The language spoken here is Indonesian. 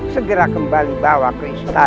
segera kembali bawa ke istana